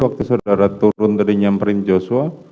waktu saudara turun tadi nyamperin joshua